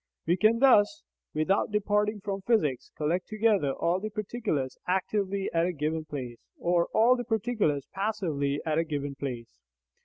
We can thus, without departing from physics, collect together all the particulars actively at a given place, or all the particulars passively at a given place.